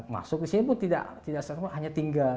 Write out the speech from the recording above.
masuk disini tidak serta merta hanya tinggal